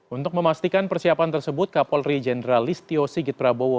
untuk memastikan persiapan tersebut kapolri jenderal listio sigit prabowo